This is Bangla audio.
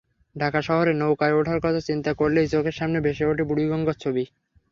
ঢাকা শহরে নৌকায় ওঠার কথা চিন্তা করলেই চোখের সামনে ভেসে ওঠে বুড়িগঙ্গার ছবি।